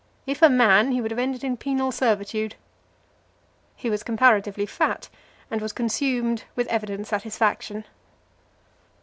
If a man, he would have ended in penal servitude." He was comparatively fat, and was consumed with evident satisfaction.